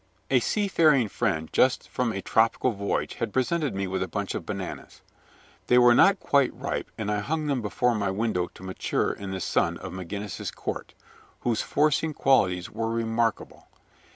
A sea faring friend just from a tropical voyage had presented me with a bunch of bananas. They were not quite ripe, and I hung them before my window to mature in the sun of McGinnis's Court, whose forcing qualities were remarkable.